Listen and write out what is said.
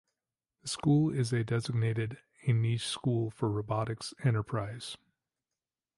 The school is a designated a niche school for robotics enterprise.